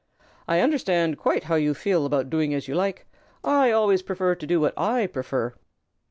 "I understand quite how you feel about doing as you like. I always prefer to do what I prefer."